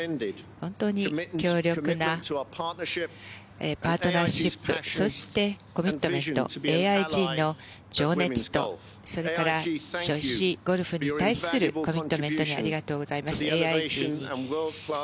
本当に強力なパートナーシップそして、コミットメントＡＩＧの情熱とそれから女子ゴルフに対するコミットメントにありがとうございます。